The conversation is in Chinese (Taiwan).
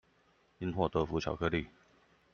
因禍得福巧克力